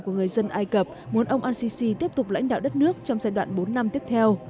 của người dân ai cập muốn ông al sisi tiếp tục lãnh đạo đất nước trong giai đoạn bốn năm tiếp theo